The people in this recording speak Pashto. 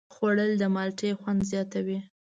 خوړل د مالټې خوند زیاتوي